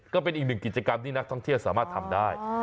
ก็เป็นอีกหนึ่งกิจกรรมที่นักท่องเที่ยวสามารถทำได้